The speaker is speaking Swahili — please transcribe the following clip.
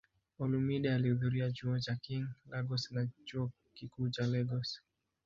Olumide alihudhuria Chuo cha King, Lagos na Chuo Kikuu cha Lagos.